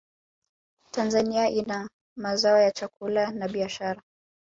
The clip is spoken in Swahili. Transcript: tanzania ina mazao ya chakula na biashara